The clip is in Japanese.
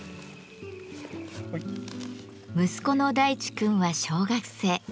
息子の大地君は小学生。